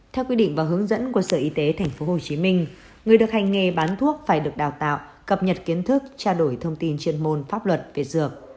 theo quy định và hướng dẫn của sở y tế tp hcm người được hành nghề bán thuốc phải được đào tạo cập nhật kiến thức trao đổi thông tin chuyên môn pháp luật về dược